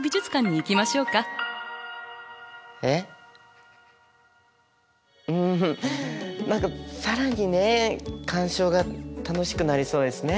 えっうん何か更にね鑑賞が楽しくなりそうですね。